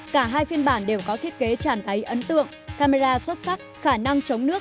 cả hai phiên bản đều có thiết kế chẳng đáy ấn tượng camera xuất sắc khả năng chống nước